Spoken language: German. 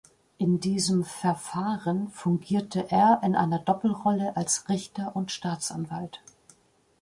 In diesem „Verfahren“ fungierte er in einer Doppelrolle als Richter und Staatsanwalt.